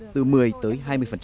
từ một mươi tới hai mươi